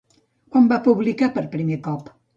Quan va publicar per primer cop?